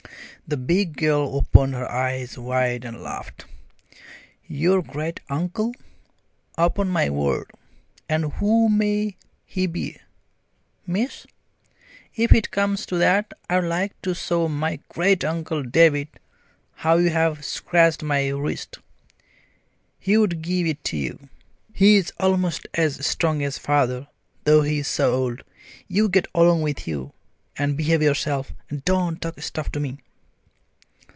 The big girl opened her eyes wide and laughed. "Your great uncle! Upon my word! And who may he be, miss? If it comes to that, I'd like to show my great uncle David how you've scratched my wrist. He'd give it you. He's almost as strong as father, though he is so old. You get along with you, and behave yourself, and don't talk stuff to me."